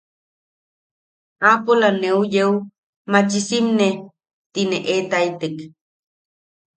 “aapola neu yeu machisimne”. Tine eetaitek.